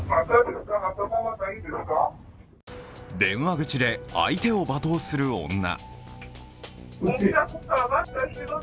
電話口で相手を罵倒する女。